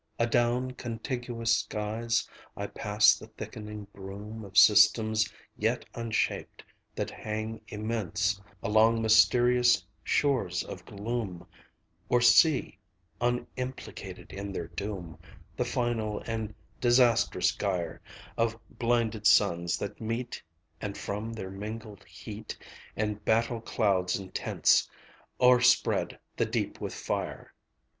Adown contiguous skies I pass the thickening brume Of systems yet unshaped, that hang immense Along mysterious shores of gloom; Or see unimplicated in their doom The final and disastrous gyre Of blinded suns that meet, And from their mingled heat, And battle clouds intense, O'erspread the deep with fire.